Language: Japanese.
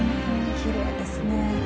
きれいですね。